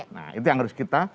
nah itu yang harus kita